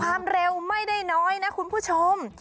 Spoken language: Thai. ความเร็วไม่ได้น้อยนะคุณผู้ชม